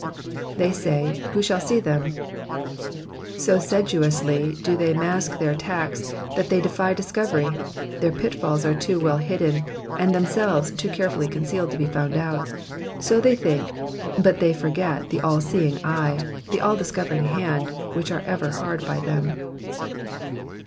^^They say. Who shaU see them t " So sedulously do they mask their attacks, that they defy discovery ; their pitfalls are too well hidden, and themselves too carefully concealed to be found out. So they think, but they forget the all seeing eye, and the all dis covering hand, which are ever hard by them.